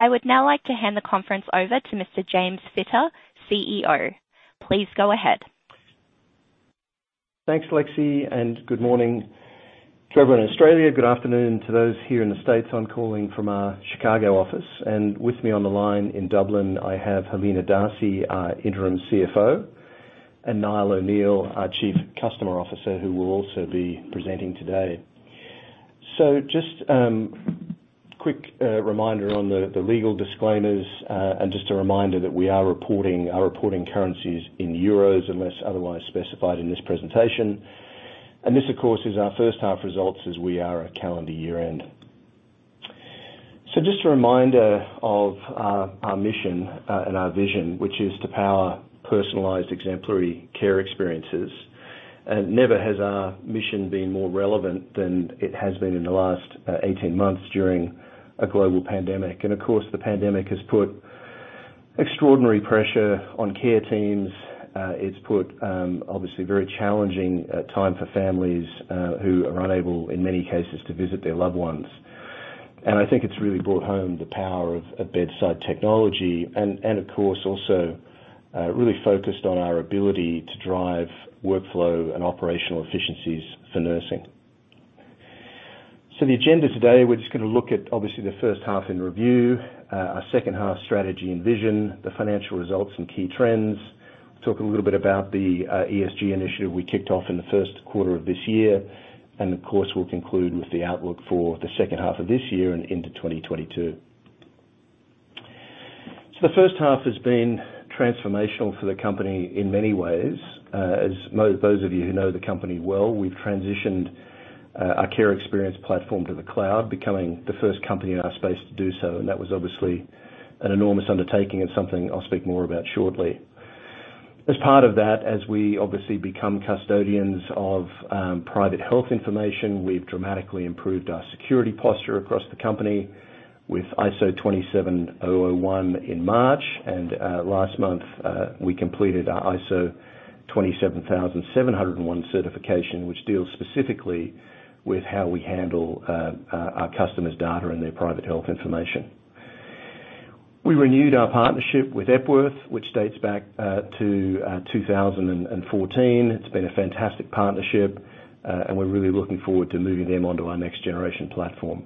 I would now like to hand the conference over to Mr. James Fitter, CEO. Please go ahead. Thanks, Lexi, good morning, everyone in Australia. Good afternoon to those here in the states. I'm calling from our Chicago office, with me on the line in Dublin, I have Helena D'Arcy, our Interim CFO, Niall O'Neill, our Chief Customer Officer, who will also be presenting today. Just a quick reminder on the legal disclaimers, just a reminder that we are reporting our currencies in euro unless otherwise specified in this presentation. This, of course, is our first half results as we are a calendar year-end. Just a reminder of our mission and our vision, which is to power personalized, exemplary care experiences. Never has our mission been more relevant than it has been in the last 18 months during a global pandemic. Of course, the pandemic has put extraordinary pressure on care teams. It's put obviously a very challenging time for families who are unable, in many cases, to visit their loved ones. I think it's really brought home the power of bedside technology and, of course, also really focused on our ability to drive workflow and operational efficiencies for nursing. The agenda today, we're just going to look at, obviously, the first half in review, our second-half strategy and vision, the financial results and key trends. Talk a little bit about the ESG initiative we kicked off in the first quarter of this year. Of course, we'll conclude with the outlook for the second half of this year and into 2022. The first half has been transformational for the company in many ways. As those of you who know the company well, we've transitioned our care experience platform to the cloud, becoming the first company in our space to do so. That was obviously an enormous undertaking and something I'll speak more about shortly. As part of that, as we obviously become custodians of private health information, we've dramatically improved our security posture across the company with ISO 27001 in March. Last month, we completed our ISO 27701 certification, which deals specifically with how we handle our customers' data and their private health information. We renewed our partnership with Epworth, which dates back to 2014. It's been a fantastic partnership, and we're really looking forward to moving them onto our next generation platform.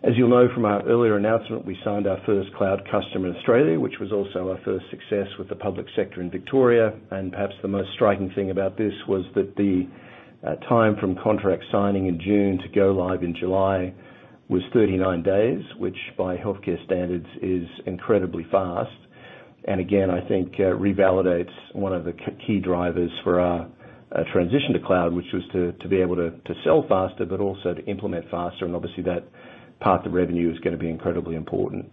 As you'll know from our earlier announcement, we signed our first cloud customer in Australia, which was also our first success with the public sector in Victoria. Perhaps the most striking thing about this was that the time from contract signing in June to go live in July was 39 days, which by healthcare standards is incredibly fast. Again, I think revalidates one of the key drivers for our transition to cloud, which was to be able to sell faster, but also to implement faster. Obviously, that path to revenue is going to be incredibly important.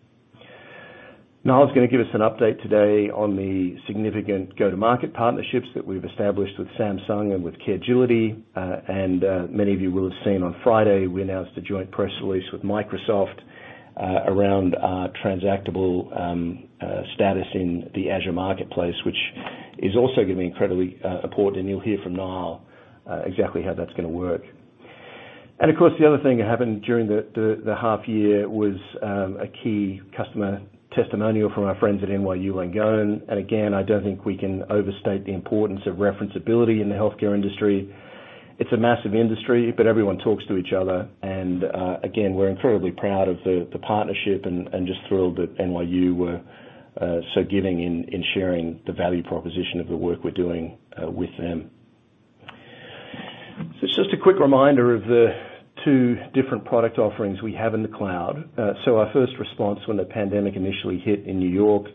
Niall's going to give us an update today on the significant go-to-market partnerships that we've established with Samsung and with Caregility. Many of you will have seen on Friday, we announced a joint press release with Microsoft around our transactable status in the Azure Marketplace, which is also going to be incredibly important. You'll hear from Niall exactly how that's going to work. Of course, the other thing that happened during the half year was a key customer testimonial from our friends at NYU Langone. Again, I don't think we can overstate the importance of referenceability in the healthcare industry. It's a massive industry, but everyone talks to each other. Again, we're incredibly proud of the partnership and just thrilled that NYU were so giving in sharing the value proposition of the work we're doing with them. Just a quick reminder of the two different product offerings we have in the cloud. Our first response when the pandemic initially hit in New York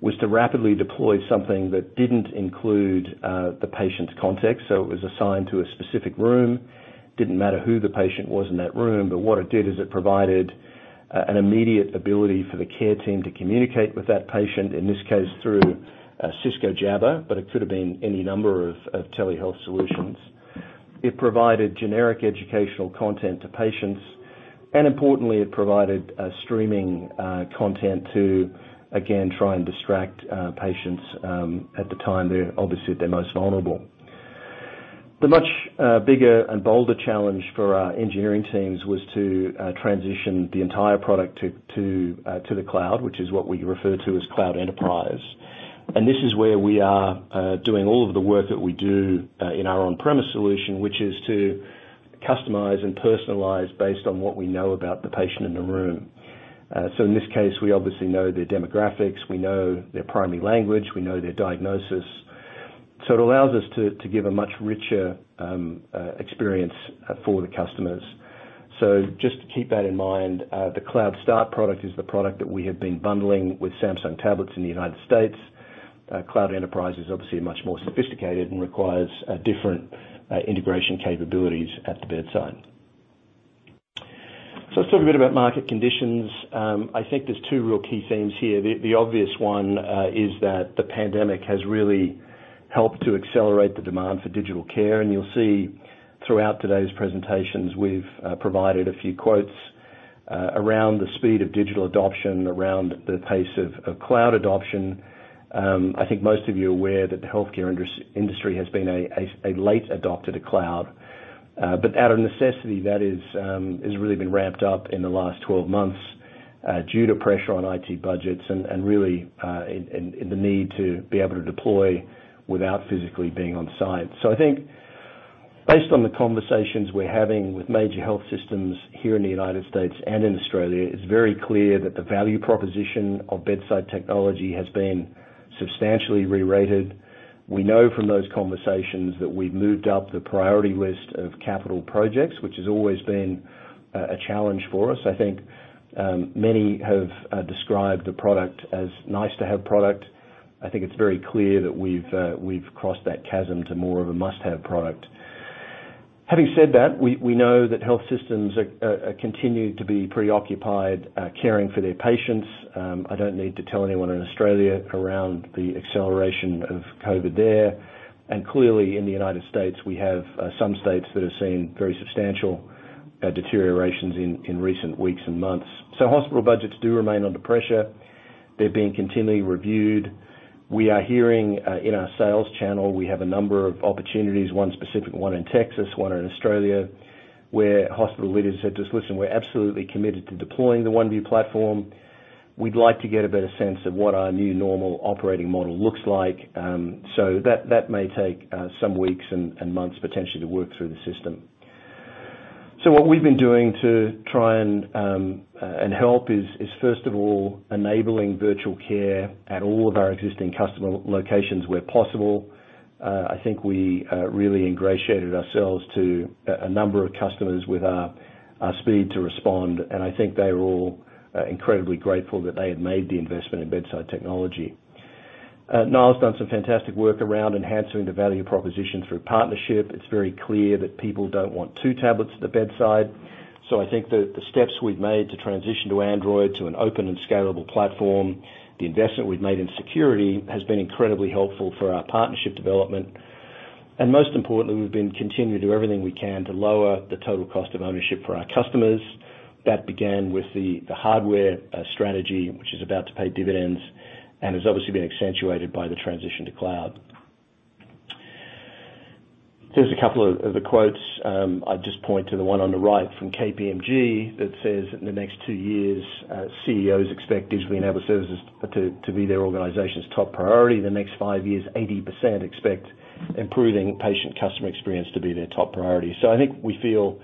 was to rapidly deploy something that didn't include the patient's context. It was assigned to a specific room. Didn't matter who the patient was in that room. What it did is it provided an immediate ability for the care team to communicate with that patient, in this case, through Cisco Jabber, but it could have been any number of telehealth solutions. It provided generic educational content to patients, and importantly, it provided streaming content to, again, try and distract patients at the time they're obviously at their most vulnerable. The much bigger and bolder challenge for our engineering teams was to transition the entire product to the cloud, which is what we refer to as Cloud Enterprise. This is where we are doing all of the work that we do in our on-premise solution, which is to customize and personalize based on what we know about the patient in the room. In this case, we obviously know their demographics, we know their primary language, we know their diagnosis. It allows us to give a much richer experience for the customers. Just to keep that in mind, the Cloud Start product is the product that we have been bundling with Samsung tablets in the United States. Cloud Enterprise is obviously much more sophisticated and requires different integration capabilities at the bedside. Let's talk a bit about market conditions. I think there's two real key themes here. The obvious one is that the pandemic has really helped to accelerate the demand for digital care. You'll see throughout today's presentations, we've provided a few quotes around the speed of digital adoption, around the pace of cloud adoption. I think most of you are aware that the healthcare industry has been a late adopter to cloud. Out of necessity, that has really been ramped up in the last 12 months due to pressure on IT budgets and really the need to be able to deploy without physically being on site. I think based on the conversations we're having with major health systems here in the United States and in Australia, it's very clear that the value proposition of bedside technology has been substantially rerated. We know from those conversations that we've moved up the priority list of capital projects, which has always been a challenge for us. I think many have described the product as nice-to-have product. I think it's very clear that we've crossed that chasm to more of a must-have product. Having said that, we know that health systems continue to be preoccupied, caring for their patients. I don't need to tell anyone in Australia around the acceleration of COVID there, and clearly in the United States, we have some states that have seen very substantial deteriorations in recent weeks and months. Hospital budgets do remain under pressure. They're being continually reviewed. We are hearing in our sales channel, we have a number of opportunities, one specific one in Texas, one in Australia, where hospital leaders have just listened. We're absolutely committed to deploying the Oneview platform. We'd like to get a better sense of what our new normal operating model looks like. That may take some weeks and months potentially to work through the system. What we've been doing to try and help is first of all, enabling virtual care at all of our existing customer locations where possible. I think we really ingratiated ourselves to a number of customers with our speed to respond. I think they were all incredibly grateful that they had made the investment in bedside technology. Niall's done some fantastic work around enhancing the value proposition through partnership. It's very clear that people don't want two tablets at the bedside. I think that the steps we've made to transition to Android to an open and scalable platform, the investment we've made in security, has been incredibly helpful for our partnership development. Most importantly, we've been continuing to do everything we can to lower the total cost of ownership for our customers. That began with the hardware strategy, which is about to pay dividends and has obviously been accentuated by the transition to cloud. There's a couple of other quotes. I'd just point to the one on the right from KPMG that says, in the next two years, CEOs expect digitally enabled services to be their organization's top priority. In the next five years, 80% expect improving patient customer experience to be their top priority. I think we feel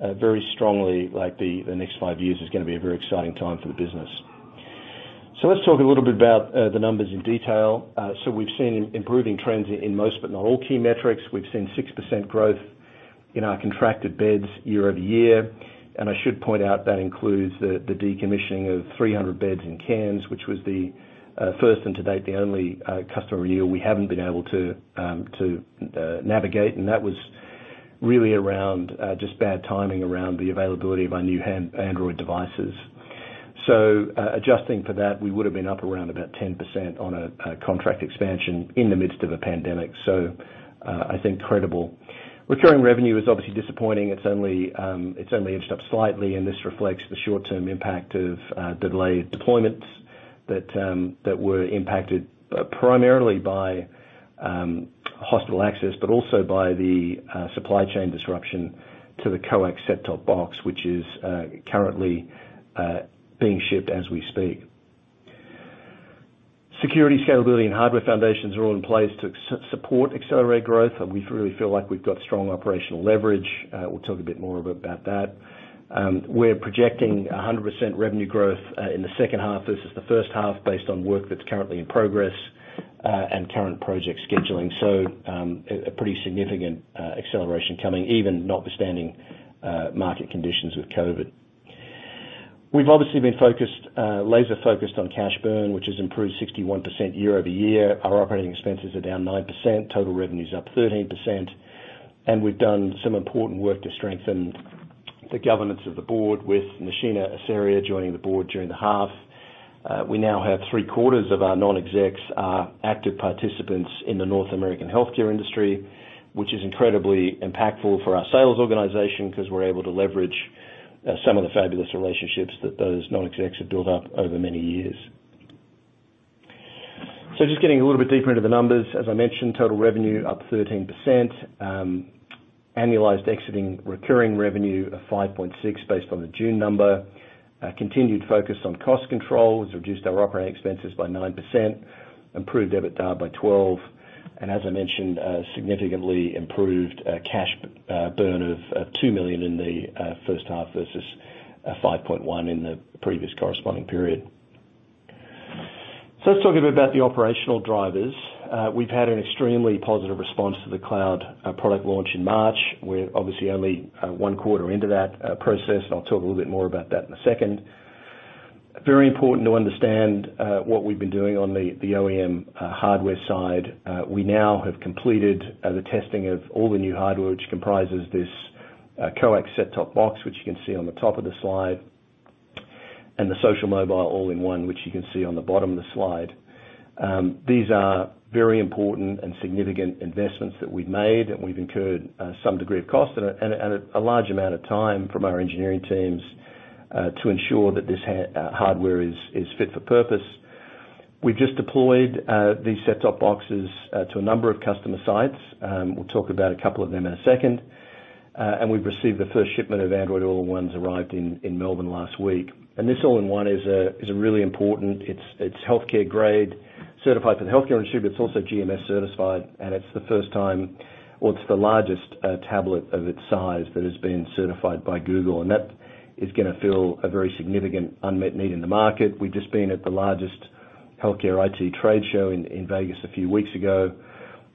very strongly like the next five years is going to be a very exciting time for the business. Let's talk a little bit about the numbers in detail. We've seen improving trends in most but not all key metrics. We've seen 6% growth in our contracted beds year-over-year. I should point out that includes the decommissioning of 300 beds in Cairns, which was the first and to date, the only customer year we haven't been able to navigate. That was really around just bad timing around the availability of our new Android devices. Adjusting for that, we would have been up around about 10% on a contract expansion in the midst of a pandemic. I think credible. Recurring revenue is obviously disappointing. It's only inched up slightly, and this reflects the short-term impact of delayed deployments that were impacted primarily by hospital access, but also by the supply chain disruption to the Coax set-top box, which is currently being shipped as we speak. Security, scalability, and hardware foundations are all in place to support accelerated growth, and we really feel like we've got strong operational leverage. We'll talk a bit more about that. We're projecting 100% revenue growth in the second half versus the first half based on work that's currently in progress, and current project scheduling. A pretty significant acceleration coming, even notwithstanding market conditions with COVID. We've obviously been laser focused on cash burn, which has improved 61% year-over-year. Our operating expenses are down 9%, total revenue is up 13%, and we've done some important work to strengthen the governance of the board with Nashina Asaria joining the board during the half. We now have three-quarters of our non-execs are active participants in the North American healthcare industry, which is incredibly impactful for our sales organization because we're able to leverage some of the fabulous relationships that those non-execs have built up over many years. Just getting a little bit deeper into the numbers. As I mentioned, total revenue up 13%. Annualized exiting recurring revenue of 5.6% based on the June number. Continued focus on cost control has reduced our operating expenses by 9%, improved EBITDA by 12%, and as I mentioned, significantly improved cash burn of 2 million in the first half versus 5.1 million in the previous corresponding period. Let's talk a bit about the operational drivers. We've had an extremely positive response to the cloud product launch in March. We're obviously only one quarter into that process, and I'll talk a little bit more about that in a second. Very important to understand what we've been doing on the OEM hardware side. We now have completed the testing of all the new hardware, which comprises this Coax set-top box, which you can see on the top of the slide, and the Social Mobile all-in-one, which you can see on the bottom of the slide. These are very important and significant investments that we've made, and we've incurred some degree of cost and a large amount of time from our engineering teams to ensure that this hardware is fit for purpose. We've just deployed these set-top boxes to a number of customer sites. We'll talk about a couple of them in a second. We've received the first shipment of Android all-in-ones, arrived in Melbourne last week. This all-in-one is really important. It's healthcare grade, certified for the healthcare industry, but it's also GMS certified, it's the largest tablet of its size that has been certified by Google, and that is going to fill a very significant unmet need in the market. We've just been at the largest healthcare IT trade show in Vegas a few weeks ago,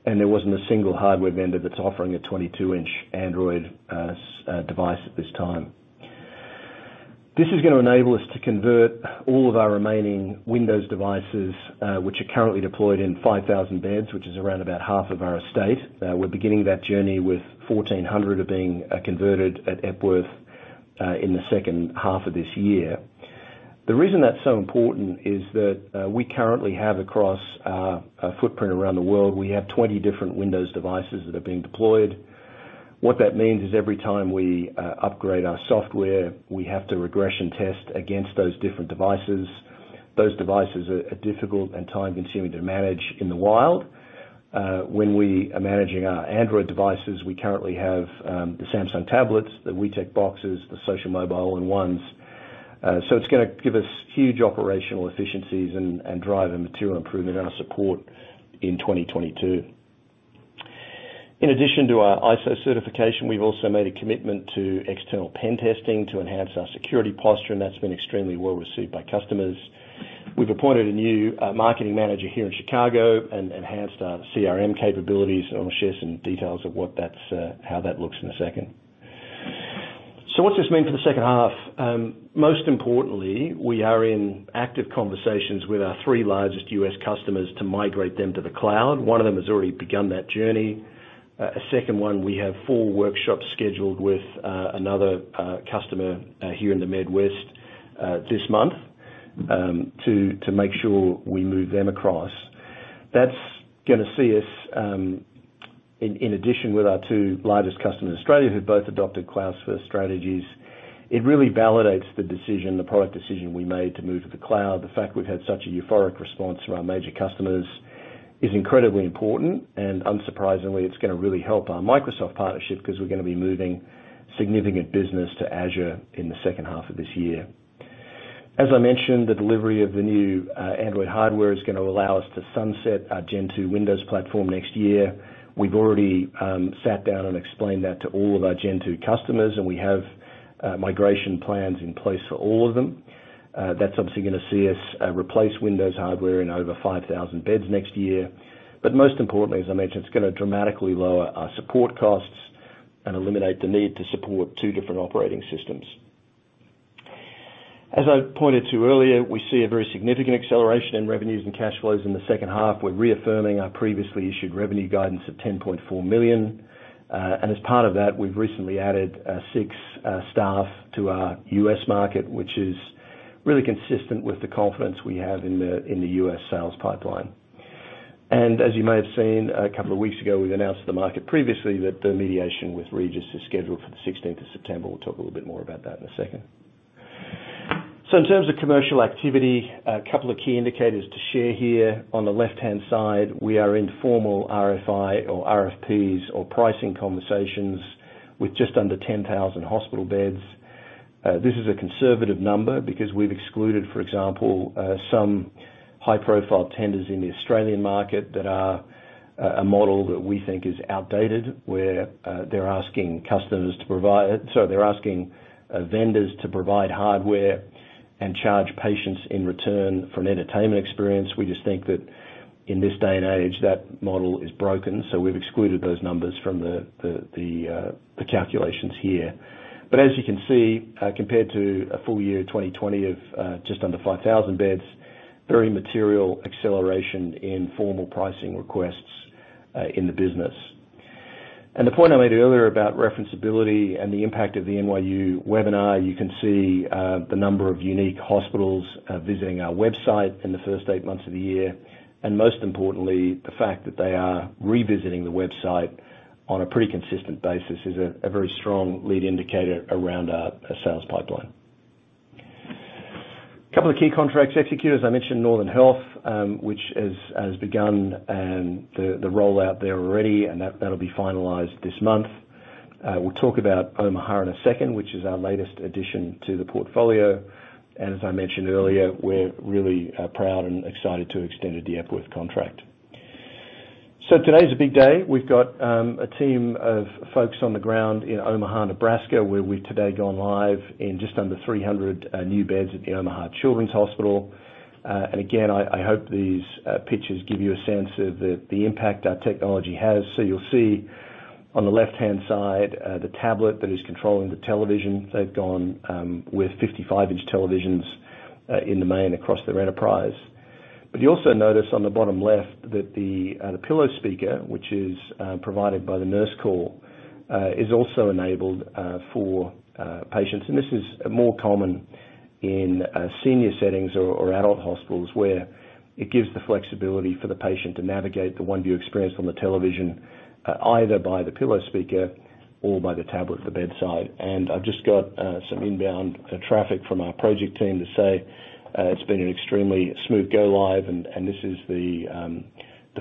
and there wasn't a single hardware vendor that's offering a 22-inch Android device at this time. This is going to enable us to convert all of our remaining Windows devices, which are currently deployed in 5,000 beds, which is around about 1/2 of our estate. We're beginning that journey with 1,400 are being converted at Epworth in the second half of this year. The reason that's so important is that we currently have, across our footprint around the world, we have 20 different Windows devices that are being deployed. What that means is every time we upgrade our software, we have to regression test against those different devices. Those devices are difficult and time-consuming to manage in the wild. When we are managing our Android devices, we currently have the Samsung tablets, the WeTek boxes, the Social Mobile all-in-ones. It's going to give us huge operational efficiencies and drive a material improvement in our support in 2022. In addition to our ISO certification, we've also made a commitment to external pen testing to enhance our security posture, and that's been extremely well received by customers. We've appointed a new marketing manager here in Chicago and enhanced our CRM capabilities, and I'll share some details of how that looks in a second. What's this mean for the second half? Most importantly, we are in active conversations with our three largest U.S. customers to migrate them to the cloud. One of them has already begun that journey. A second one, we have four workshops scheduled with another customer here in the Midwest this month, to make sure we move them across. That's going to see us, in addition with our two largest customers in Australia who've both adopted cloud-first strategies. It really validates the decision, the product decision we made to move to the cloud. The fact we've had such a euphoric response from our major customers is incredibly important. Unsurprisingly, it's going to really help our Microsoft partnership because we're going to be moving significant business to Azure in the second half of this year. As I mentioned, the delivery of the new Android hardware is going to allow us to sunset our Gen 2 Windows platform next year. We've already sat down and explained that to all of our Gen 2 customers. We have migration plans in place for all of them. That's obviously going to see us replace Windows hardware in over 5,000 beds next year. Most importantly, as I mentioned, it's going to dramatically lower our support costs and eliminate the need to support two different operating systems. As I pointed to earlier, we see a very significant acceleration in revenues and cash flows in the second half. We're reaffirming our previously issued revenue guidance of 10.4 million. As part of that, we've recently added six staff to our U.S. market, which is really consistent with the confidence we have in the U.S. sales pipeline. As you may have seen a couple of weeks ago, we've announced to the market previously that the mediation with Regis is scheduled for the 16th of September. We'll talk a little bit more about that in a second. In terms of commercial activity, a couple of key indicators to share here. On the left-hand side, we are in formal RFI or RFPs or pricing conversations with just under 10,000 hospital beds. This is a conservative number because we've excluded, for example, some high-profile tenders in the Australian market that are a model that we think is outdated, where they're asking vendors to provide hardware and charge patients in return for an entertainment experience. We just think that in this day and age, that model is broken. We've excluded those numbers from the calculations here. As you can see, compared to a full year 2020 of just under 5,000 beds, very material acceleration in formal pricing requests in the business. The point I made earlier about referenceability and the impact of the NYU webinar, you can see the number of unique hospitals visiting our website in the first eight months of the year. Most importantly, the fact that they are revisiting the website on a pretty consistent basis is a very strong lead indicator around our sales pipeline. Couple of key contracts executed. As I mentioned, Northern Health, which has begun the rollout there already, and that'll be finalized this month. We'll talk about Omaha in a second, which is our latest addition to the portfolio. As I mentioned earlier, we're really proud and excited to have extended the Epworth contract. Today's a big day. We've got a team of folks on the ground in Omaha, Nebraska, where we've today gone live in just under 300 new beds at the Omaha Children's Hospital. I hope these pictures give you a sense of the impact our technology has. You'll see on the left-hand side, the tablet that is controlling the television. They've gone with 55-inch televisions in the main across their enterprise. You also notice on the bottom left that the pillow speaker, which is provided by the nurse call, is also enabled for patients. This is more common in senior settings or adult hospitals, where it gives the flexibility for the patient to navigate the Oneview experience on the television, either by the pillow speaker, all by the tablet at the bedside. I've just got some inbound traffic from our project team to say it's been an extremely smooth go live, and this is the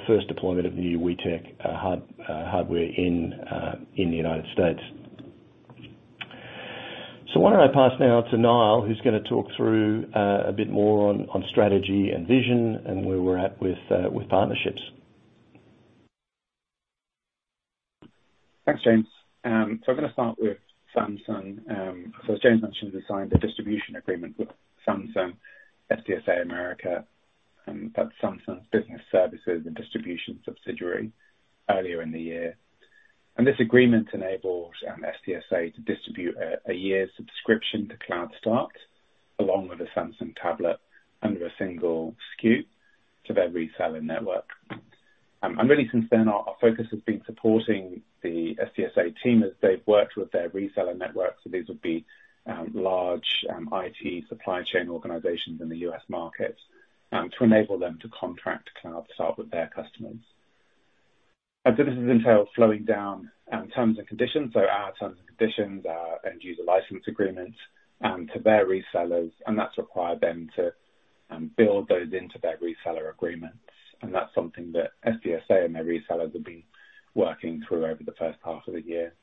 first deployment of the new WeTek hardware in the United States. Why don't I pass now to Niall, who's going to talk through a bit more on strategy and vision and where we're at with partnerships. Thanks, James. I'm going to start with Samsung. As James mentioned, we signed a distribution agreement with Samsung SDS America, and that's Samsung's business services and distribution subsidiary earlier in the year. This agreement enables SDSA to distribute a year's subscription to Cloud Start along with a Samsung tablet under a single SKU to their reseller network. Really since then, our focus has been supporting the SDSA team as they've worked with their reseller network. These would be large IT supply chain organizations in the U.S. market, to enable them to contract Cloud Start with their customers. This has entailed flowing down terms and conditions. Our terms and conditions, our end-user license agreements, to their resellers, and that's required them to build those into their reseller agreements. That's something that SDSA and their resellers have been working through over the first half of the year.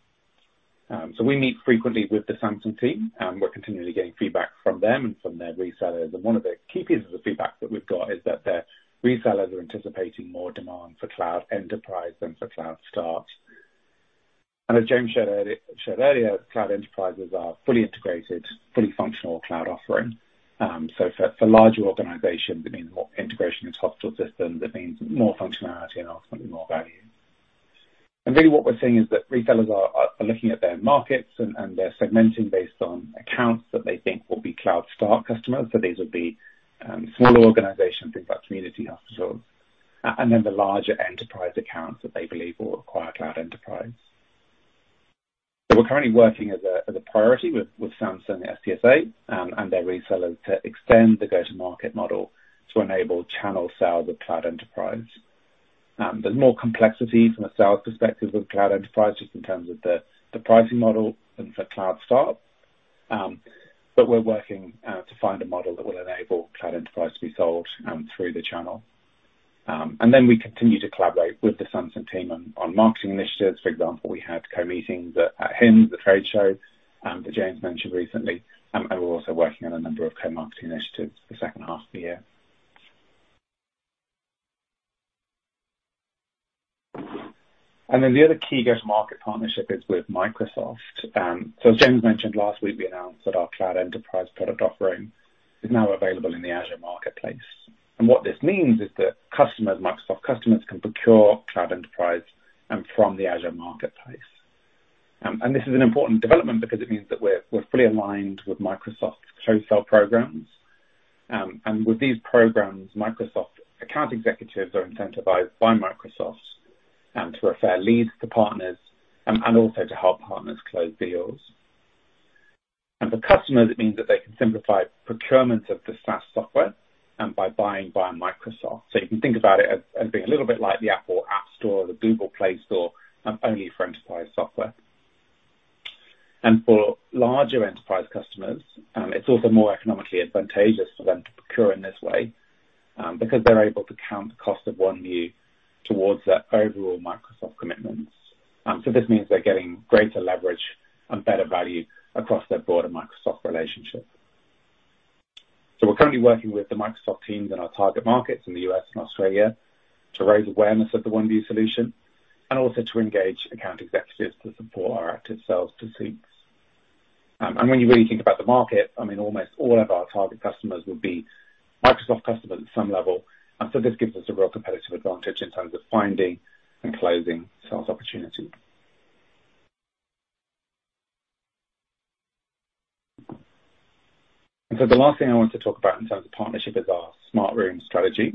We meet frequently with the Samsung team. We're continually getting feedback from them and from their resellers. One of the key pieces of feedback that we've got is that their resellers are anticipating more demand for Cloud Enterprise than for Cloud Start. As James shared earlier, Cloud Enterprises are fully integrated, fully functional cloud offering. For larger organizations, it means more integration into hospital systems. It means more functionality and ultimately more value. Really what we're seeing is that retailers are looking at their markets, and they're segmenting based on accounts that they think will be Cloud Start customers. These would be smaller organizations, things like community hospitals, and then the larger enterprise accounts that they believe will require Cloud Enterprise. We're currently working as a priority with Samsung and SDSA, and their resellers to extend the go-to-market model to enable channel sales of Cloud Enterprise. There's more complexity from a sales perspective with Cloud Enterprise, just in terms of the pricing model than for Cloud Start. We're working to find a model that will enable Cloud Enterprise to be sold through the channel. We continue to collaborate with the Samsung team on marketing initiatives. For example, we had co-meetings at HIMSS, the trade show, that James mentioned recently, and we're also working on a number of co-marketing initiatives for the second half of the year. The other key go-to-market partnership is with Microsoft. As James mentioned, last week we announced that our Cloud Enterprise product offering is now available in the Azure Marketplace. What this means is that customers, Microsoft customers, can procure Cloud Enterprise from the Azure Marketplace. This is an important development because it means that we're fully aligned with Microsoft's co-sell programs. With these programs, Microsoft account executives are incentivized by Microsoft to refer leads to partners and also to help partners close deals. For customers, it means that they can simplify procurement of the SaaS software by buying via Microsoft. You can think about it as being a little bit like the Apple App Store or the Google Play Store, only for enterprise software. For larger enterprise customers, it's also more economically advantageous for them to procure in this way, because they're able to count the cost of Oneview towards their overall Microsoft commitments. This means they're getting greater leverage and better value across their broader Microsoft relationship. We're currently working with the Microsoft teams in our target markets in the U.S. and Australia to raise awareness of the Oneview solution and also to engage account executives to support our active sales pursuits. When you really think about the market, I mean, almost all of our target customers will be Microsoft customers at some level. This gives us a real competitive advantage in terms of finding and closing sales opportunities. The last thing I want to talk about in terms of partnership is our Smart Room strategy.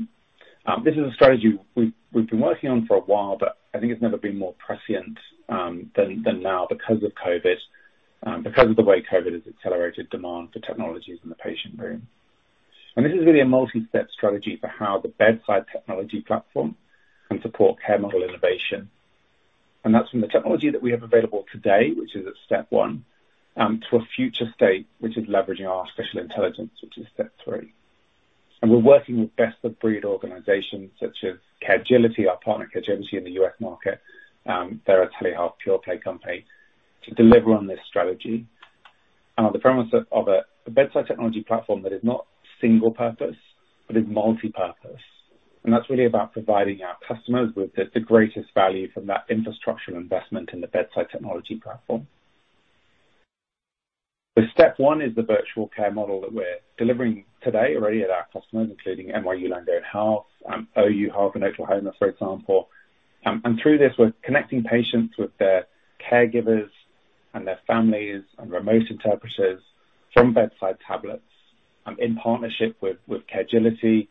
This is a strategy we've been working on for a while, but I think it's never been more prescient than now because of COVID, because of the way COVID has accelerated demand for technologies in the patient room. This is really a multistep strategy for how the bedside technology platform can support care model innovation. That's from the technology that we have available today, which is at step one, to a future state, which is leveraging our spatial intelligence, which is step three. We're working with best-of-breed organizations such as Caregility, our partner, Caregility, in the U.S. market. They're a telehealth pure-play company to deliver on this strategy. On the premise of a bedside technology platform that is not single purpose, but is multipurpose. That's really about providing our customers with the greatest value from that infrastructure investment in the bedside technology platform. Step one is the virtual care model that we're delivering today already at our customers, including NYU Langone Health, OU Health in Oklahoma, for example. Through this, we're connecting patients with their caregivers and their families and remote interpreters from bedside tablets, in partnership with Caregility,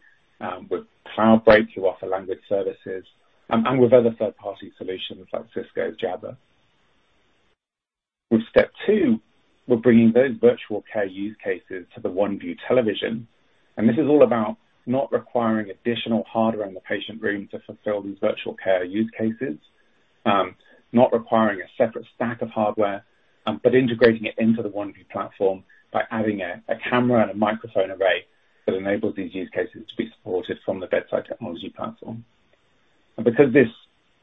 with Cloudbreak, who offer language services, and with other third-party solutions like Cisco Jabber. With step two, we're bringing those virtual care use cases to the Oneview Television. This is all about not requiring additional hardware in the patient room to fulfill these virtual care use cases. Not requiring a separate stack of hardware, but integrating it into the Oneview platform by adding a camera and a microphone array that enables these use cases to be supported from the bedside technology platform. Because this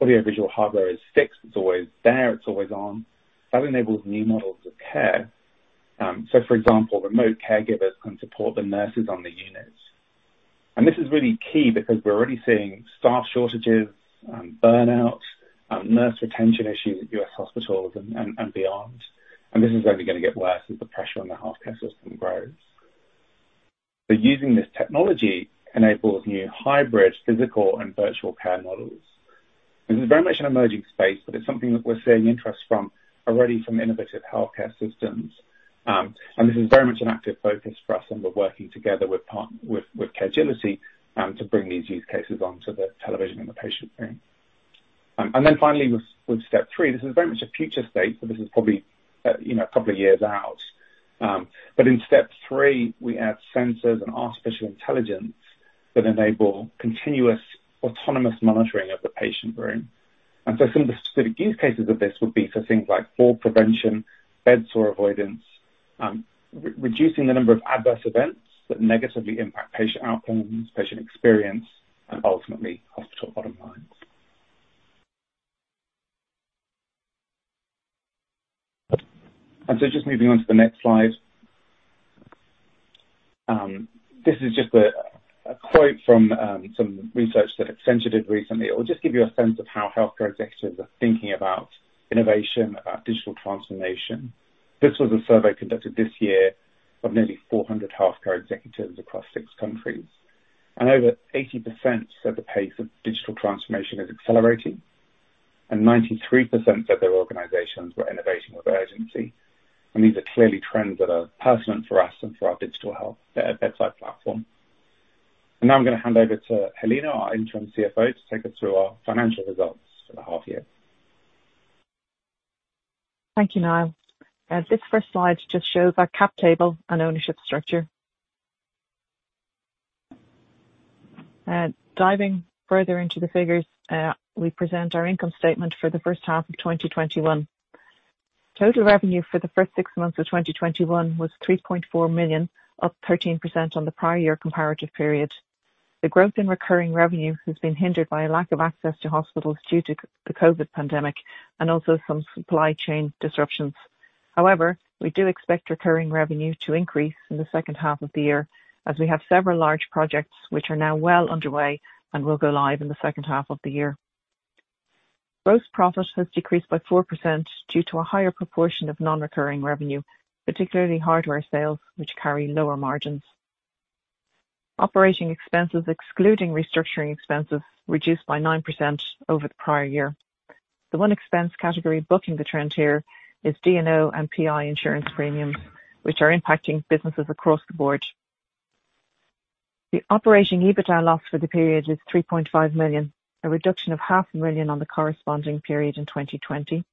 audio visual hardware is fixed, it's always there, it's always on, that enables new models of care. For example, remote caregivers can support the nurses on the units. This is really key because we're already seeing staff shortages, burnouts, nurse retention issues at U.S. hospitals and beyond. This is only going to get worse as the pressure on the healthcare system grows. Using this technology enables new hybrid physical and virtual care models. This is very much an emerging space, but it's something that we're seeing interest from already from innovative healthcare systems. This is very much an active focus for us and we're working together with Caregility, to bring these use cases onto the television in the patient room. Finally, with step three, this is very much a future state, so this is probably couple years out. In step three, we add sensors and artificial intelligence that enable continuous autonomous monitoring of the patient room. Some of the specific use cases of this would be for things like fall prevention, bedsore avoidance, reducing the number of adverse events that negatively impact patient outcomes, patient experience, and ultimately hospital bottom lines. Just moving on to the next slide. This is just a quote from some research that Accenture did recently. It will just give you a sense of how healthcare executives are thinking about innovation, about digital transformation. This was a survey conducted this year of nearly 400 healthcare executives across six countries, and over 80% said the pace of digital transformation is accelerating, and 93% said their organizations were innovating with urgency. These are clearly trends that are pertinent for us and for our digital health bedside platform. Now I'm going to hand over to Helena, our interim CFO, to take us through our financial results for the half year. Thank you, Niall. This first slide just shows our cap table and ownership structure. Diving further into the figures, we present our income statement for the first half of 2021. Total revenue for the first six months of 2021 was 3.4 million, up 13% on the prior year comparative period. The growth in recurring revenue has been hindered by a lack of access to hospitals due to the COVID pandemic and also some supply chain disruptions. However, we do expect recurring revenue to increase in the second half of the year as we have several large projects which are now well underway and will go live in the second half of the year. Gross profit has decreased by 4% due to a higher proportion of non-recurring revenue, particularly hardware sales, which carry lower margins. Operating expenses excluding restructuring expenses reduced by 9% over the prior year. The one expense category bucking the trend here is D&O and PI insurance premiums, which are impacting businesses across the board. The operating EBITDA loss for the period is 3.5 million, a reduction of 500,000 on the corresponding period in 2020.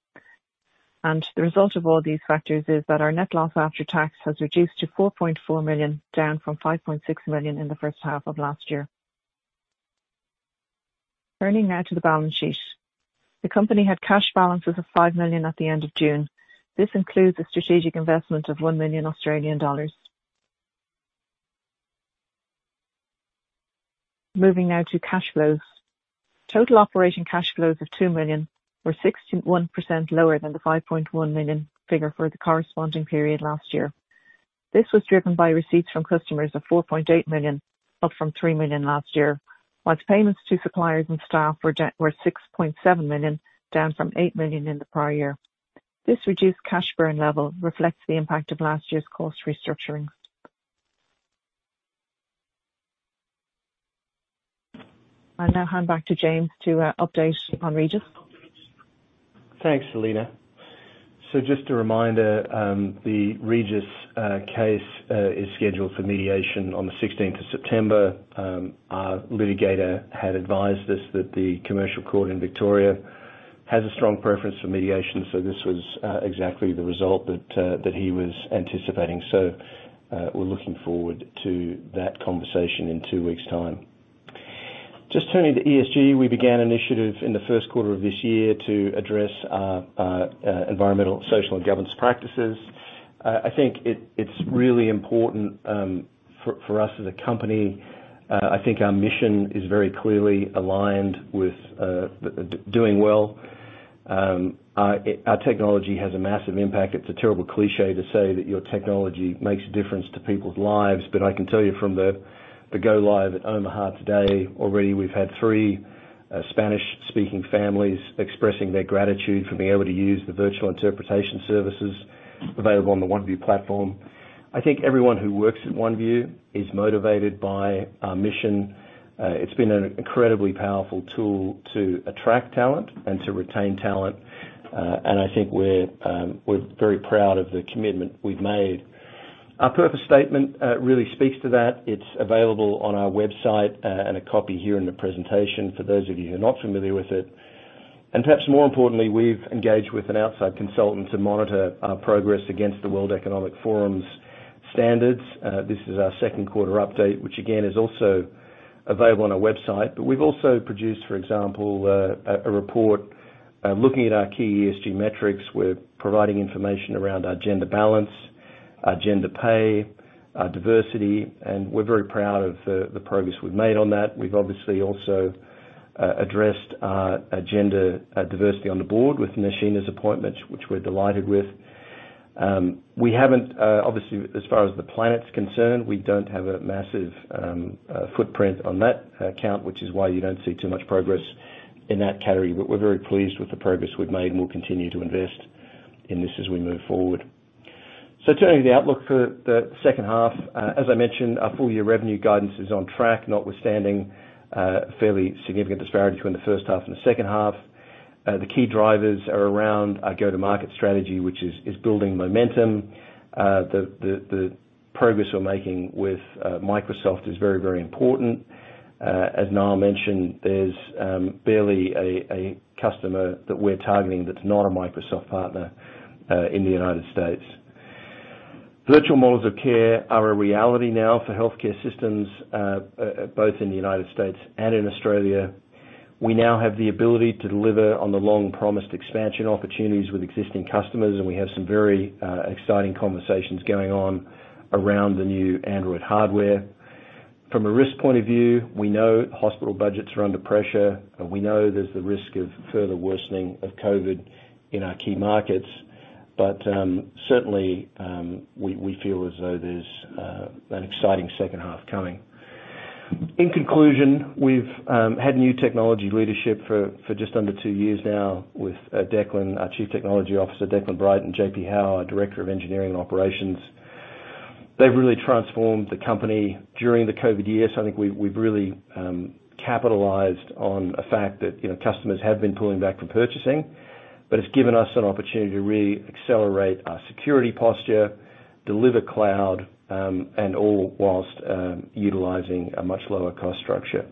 The result of all these factors is that our net loss after tax has reduced to 4.4 million, down from 5.6 million in the first half of last year. Turning now to the balance sheet. The company had cash balances of 5 million at the end of June. This includes a strategic investment of 1 million Australian dollars. Moving now to cash flows. Total operating cash flows of 2 million were 61% lower than the 5.1 million figure for the corresponding period last year. This was driven by receipts from customers of 4.8 million, up from 3 million last year. Whilst payments to suppliers and staff were 6.7 million, down from 8 million in the prior year. This reduced cash burn level reflects the impact of last year's cost restructuring. I now hand back to James to update on Regis. Thanks, Helena. Just a reminder, the Regis case is scheduled for mediation on the 16th of September. Our litigator had advised us that the Commercial Court in Victoria has a strong preference for mediation, this was exactly the result that he was anticipating. We're looking forward to that conversation in two weeks' time. Just turning to ESG, we began initiative in the first quarter of this year to address our environmental, social, and governance practices. I think it's really important for us as a company. I think our mission is very clearly aligned with doing well. Our technology has a massive impact. It's a terrible cliché to say that your technology makes a difference to people's lives, but I can tell you from the go live at Omaha today, already, we've had three Spanish-speaking families expressing their gratitude for being able to use the virtual interpretation services available on the Oneview platform. I think everyone who works at Oneview is motivated by our mission. It's been an incredibly powerful tool to attract talent and to retain talent. I think we're very proud of the commitment we've made Our purpose statement really speaks to that. It's available on our website and a copy here in the presentation for those of you who are not familiar with it. Perhaps more importantly, we've engaged with an outside consultant to monitor our progress against the World Economic Forum's standards. This is our second quarter update, which again, is also available on our website. We've also produced, for example, a report looking at our key ESG metrics. We're providing information around our gender balance, our gender pay, our diversity, and we're very proud of the progress we've made on that. We've obviously also addressed gender diversity on the board with Nashina's appointment, which we're delighted with. Obviously, as far as the planet's concerned, we don't have a massive footprint on that count, which is why you don't see too much progress in that category. We're very pleased with the progress we've made, and we'll continue to invest in this as we move forward. Turning to the outlook for the second half. As I mentioned, our full-year revenue guidance is on track, notwithstanding a fairly significant disparity between the first half and the second half. The key drivers are around our go-to-market strategy, which is building momentum. The progress we're making with Microsoft is very, very important. As Niall mentioned, there's barely a customer that we're targeting that's not a Microsoft partner in the United States. Virtual models of care are a reality now for healthcare systems, both in the United States and in Australia. We now have the ability to deliver on the long-promised expansion opportunities with existing customers, and we have some very exciting conversations going on around the new Android hardware. From a risk point of view, we know hospital budgets are under pressure, and we know there's the risk of further worsening of COVID in our key markets. Certainly, we feel as though there's an exciting second half coming. In conclusion, we've had new technology leadership for just under two years now with our Chief Technology Officer, Declan Bright, and JP Howe, our Director of Engineering and Operations. They've really transformed the company during the COVID years. I think we've really capitalized on a fact that customers have been pulling back from purchasing, but it's given us an opportunity to really accelerate our security posture, deliver cloud, and all whilst utilizing a much lower cost structure.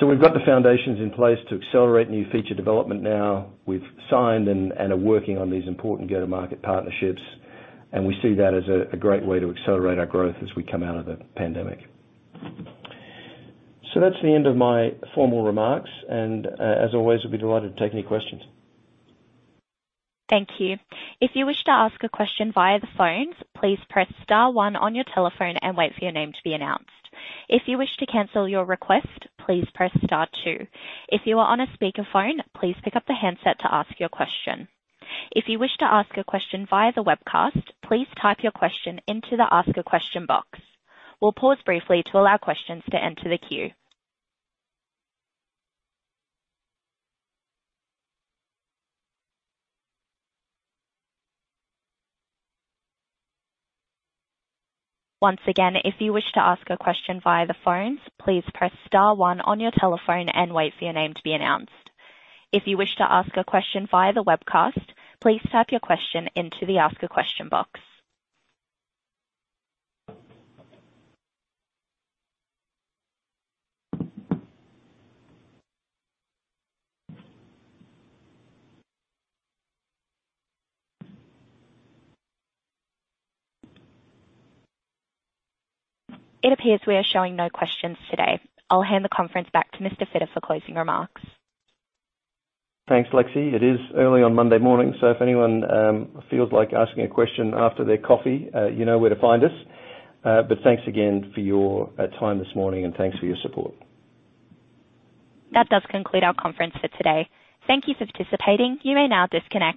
We've got the foundations in place to accelerate new feature development now. We've signed and are working on these important go-to-market partnerships, and we see that as a great way to accelerate our growth as we come out of the pandemic. That's the end of my formal remarks, and as always, I'd be delighted to take any questions. Thank you. If you wish to ask a question via the phones, please press star one on your telephone and wait for your name to be announced. If you wish to cancel your request, please press star two. If you are on a speakerphone, please pick up the handset to ask your question. If you wish to ask a question via the webcast, please type your question into the ask a question box. We'll pause briefly to allow questions to enter the queue. Once again, if you wish to ask a question via the phones, please press star one on your telephone and wait for your name to be announced. If you wish to ask a question via the webcast, please type your question into the ask a question box. It appears we are showing no questions today. I'll hand the conference back to Mr. Fitter for closing remarks. Thanks, Lexi. It is early on Monday morning. If anyone feels like asking a question after their coffee, you know where to find us. Thanks again for your time this morning, and thanks for your support. That does conclude our conference for today. Thank you for participating. You may now disconnect.